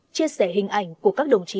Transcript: chia sẻ hình ảnh của các đồng chí